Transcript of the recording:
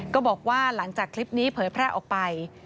ก็บอกว่าหลังจากคลิปนี้เผยแพร่ออกไป